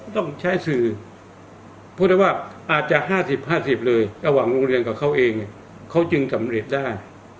ต้องใช้สื่อพูดได้ว่าอาจจะ๕๐๕๐เลยระหว่างโรงเรียนกับเขาเองเขาจึงสำเร็จได้